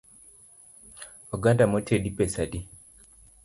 Oganda motedi pesa adi?